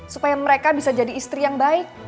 supaya mereka bisa jadi istri yang baik